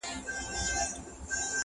مُلا بیا ویل زه خدای یمه ساتلی!!